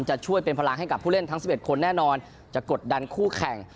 จะช่วยเป็นพลังให้กับผู้เล่นทั้ง๑๑คนแน่นอนจะกดดันคู่แข่ง